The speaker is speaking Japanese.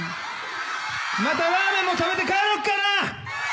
またラーメンも食べて帰ろっかな。